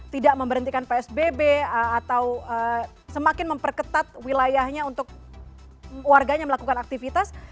tidak memberhentikan psbb atau semakin memperketat wilayahnya untuk warganya melakukan aktivitas